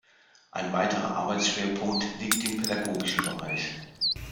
Ein weiterer Arbeitsschwerpunkt liegt im pädagogischen Bereich.